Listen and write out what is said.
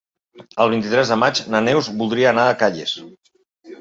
El vint-i-tres de maig na Neus voldria anar a Calles.